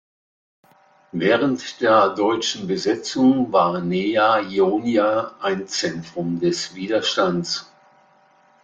Während der deutschen Besetzung war Nea Ionia ein Zentrum des Widerstands.